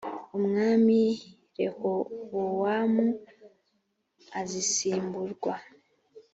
umwami rehobowamu azisimburwa